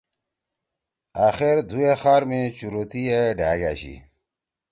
أخیر دُھو اے خار می چُورتی اے ڈھأک أشی۔